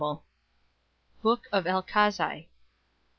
Book of Elchasai.